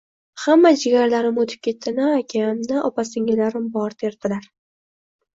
“Hamma jigarlarim o‘tib ketdi. Na akam, na opa-singillarim bor”, derdilar.